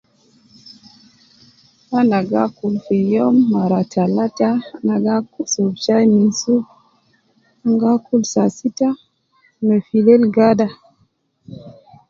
Ana gi akul fi youm mara talata, ana gi asurub chai minsub, an gi akul saa sita me filel gada